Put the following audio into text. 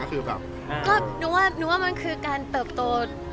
ก็หนูว่ามันคือการเปิดโต